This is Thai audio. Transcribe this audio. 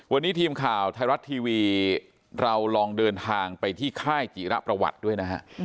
วันนี้ทีมข่าวไทยรัฐทีวีเราลองเดินทางไปที่ค่ายจิระประวัติด้วยนะฮะ